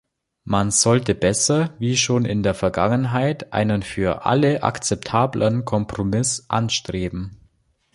Man sollte besser, wie schon in der Vergangenheit einen für alle akzeptablen Kompromiss anstreben.